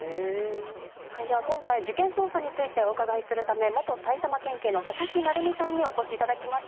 今回事件捜査についてお伺いするため埼玉県警の佐々木成三さんにお越しいただきました。